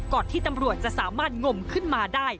ที่ตำรวจจะสามารถงมขึ้นมาได้